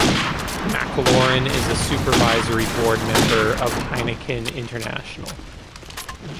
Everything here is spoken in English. MacLaurin is a supervisory board member of Heineken International.